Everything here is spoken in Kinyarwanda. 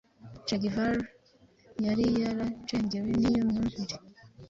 che guevara yari yaracengewe niyo myumvire